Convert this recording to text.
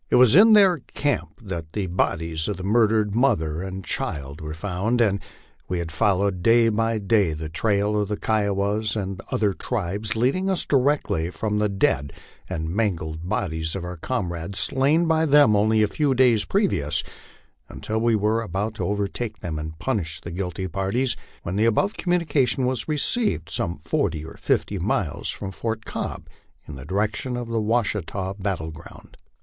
It was in their camp that the bodies of the murdered mother and child were found, and we had followed day by day the trail of the Kiowas and other tribes, leading us directly from the dead and mangled bodies of our comrades, slain by them a few days pre vious, until we were about to overtake and punish the guilty parties, when the above communication was received, some forty or fifty miles from Fort Cobb, in the direction of the Washita battle ground.